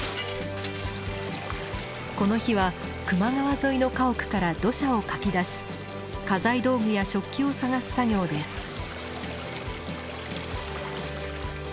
この日は球磨川沿いの家屋から土砂をかき出し家財道具や食器を探す作業です。